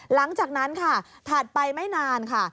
หลังจากนั้นค่ะถัดไปไม่นานค่ะ